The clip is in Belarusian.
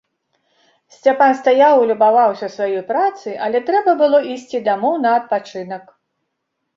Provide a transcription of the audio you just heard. Сцяпан стаяў і любаваўся сваёй працай, але трэба было ісці дамоў на адпачынак.